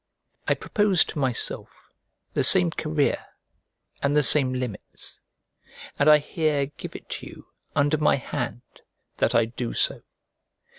I propose to myself the same career and the same limits: and I here give it to you under my hand that I do so.